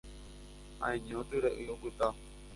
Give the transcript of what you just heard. Ha'eño tyre'ỹ opyta.